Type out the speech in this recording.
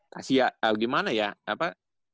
kasih gimana ya apa